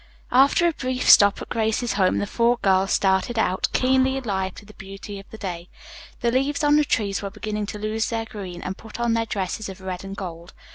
After a brief stop at Grace's home, the four girls started out, keenly alive to the beauty of the day. The leaves on the trees were beginning to lose their green and put on their dresses of red and gold.